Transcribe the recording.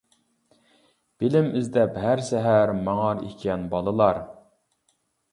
بىلىم ئىزدەپ ھەر سەھەر، ماڭار ئىكەن بالىلار.